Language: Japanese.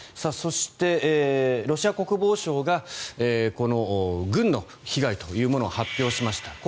そして、ロシア国防省が軍の被害というものを発表しました。